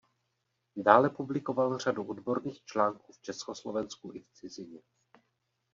Dále publikoval řadu odborných článků v Československu i v cizině.